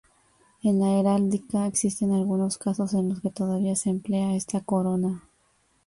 En la heráldica existen algunos casos en los que todavía se emplea esta corona.